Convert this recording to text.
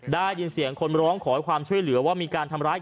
ได้ยินเสียงคนร้องขอให้ความช่วยเหลือว่ามีการทำร้าย